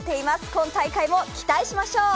今大会も期待しましょう。